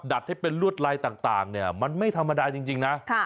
ดัดให้เป็นลวดลายต่างมันไม่ธรรมดาจริงนะ